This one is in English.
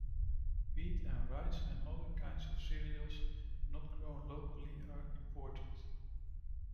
Wheat and rice and other kinds of cereals not grown locally are imported.